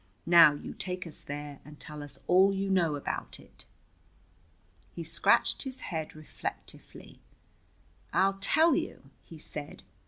Now, you take us there and tell us all you know about it." He scratched his head reflectively. "I'll tell you," he said.